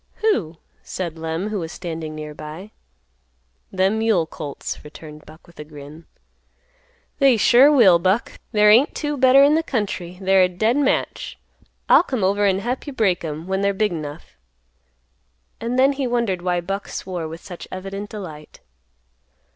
"Who?" said Lem, who was standing near by. "Them mule colts," returned Buck with a grin. "They sure will, Buck. There ain't two better in the country; they're a dead match. I'll come over an' hep you break 'em when they're big 'nough." And then he wondered why Buck swore with such evident delight.